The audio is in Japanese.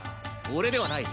俺ではない。